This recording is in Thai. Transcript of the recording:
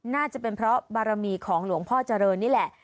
น่าจะเป็นเพราะบารมีของหลวงพ่อเจริญนี่แหละ